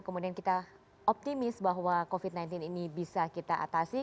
kemudian kita optimis bahwa covid sembilan belas ini bisa kita atasi